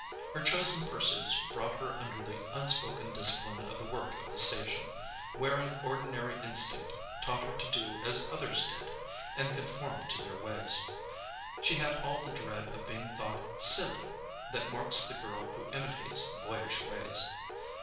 Her chosen pursuits brought her under the unspoken discipline of the work of the station, wherein ordinary instinct taught her to do as others did, and conform to their ways. She had all the dread of being thought "silly" that marks the girl who imitates boyish ways.